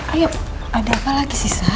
atau ada apa lagi punk these